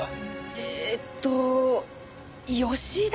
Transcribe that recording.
えーっと吉田？